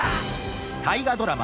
大河ドラマ